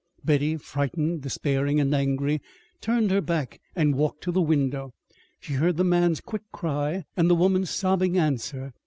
Betty, frightened, despairing, and angry, turned her back and walked to the window. She heard the man's quick cry and the woman's sobbing answer.